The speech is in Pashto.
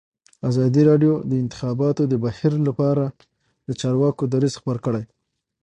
ازادي راډیو د د انتخاباتو بهیر لپاره د چارواکو دریځ خپور کړی.